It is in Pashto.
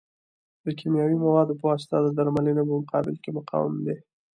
د کیمیاوي موادو په واسطه د درملنې په مقابل کې مقاوم دي.